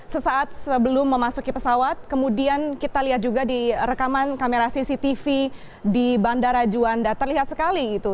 sesaat sebelum memasuki pesawat kemudian kita lihat juga di rekaman kamera cctv di bandara juanda terlihat sekali gitu